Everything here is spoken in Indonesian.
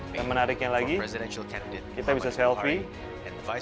dan menariknya lagi kita bisa selfie